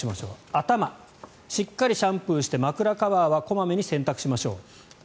頭、しっかりシャンプーして枕カバーは小まめに洗濯しましょう。